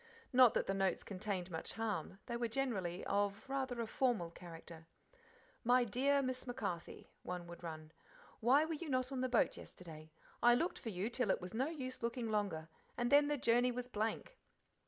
Not that the notes contained much harm, they were generally of rather a formal character. "My dear' Miss MacCarthy," one would run "Why were you not on the boat yesterday? I looked for you till it was no use looking longer, and then the journey was blank.